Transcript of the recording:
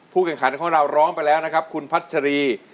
แข่งขันของเราร้องไปแล้วนะครับคุณพัชรี